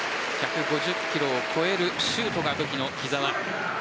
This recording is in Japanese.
１５０キロを超えるシュートが武器の木澤。